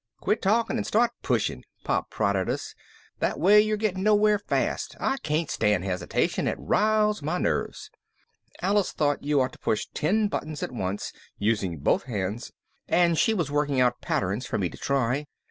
"Quit talking and start pushing," Pop prodded us. "This way you're getting nowhere fast. I can't stand hesitation, it riles my nerves." Alice thought you ought to push ten buttons at once, using both hands, and she was working out patterns for me to try.